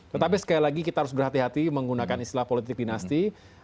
tetapi sekali lagi kita harus berhati hati menggunakan istilah politik dinasti